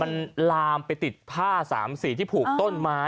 มันลามไปติดผ้าสามสีที่ผูกต้นไม้